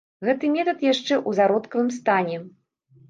Гэты метад яшчэ ў зародкавым стане.